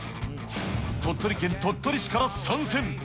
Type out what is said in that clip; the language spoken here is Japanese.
鳥取県鳥取市から参戦。